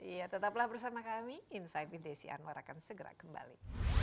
iya tetaplah bersama kami insight with desi anwar akan segera kembali